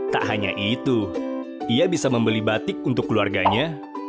tak hanya itu ia bisa membeli batik untuk keluarganya